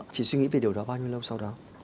chị suy nghĩ về điều đó bao nhiêu lâu sau đó